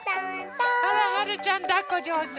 あらはるちゃんだっこじょうず。